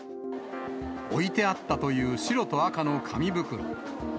置いてあったという白と赤の紙袋。